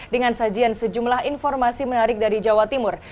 dengan sajian sejumlah informasi menarik dari jawa timur